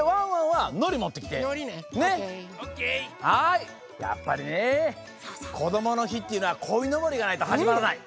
はいやっぱりね「こどもの日」っていうのはこいのぼりがないとはじまらない！